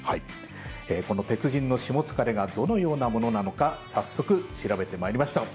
この鉄人のしもつかれがどのようなものなのか早速、調べてまいりました。